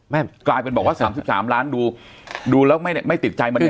ไม่กลายเป็นบอกว่าสามสิบสามล้านดูดูแล้วไม่ไม่ติดใจมันยังไงกัน